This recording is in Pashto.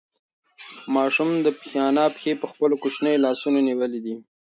ماشوم د انا پښې په خپلو کوچنیو لاسونو نیولې دي.